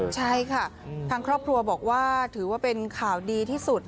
ใช่ค่ะทางครอบครัวบอกว่าถือว่าเป็นข่าวดีที่สุด